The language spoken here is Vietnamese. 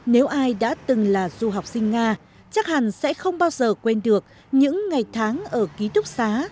nếu ai đã từng là du học sinh nga chắc hẳn sẽ không bao giờ quên được những ngày tháng ở ký túc xá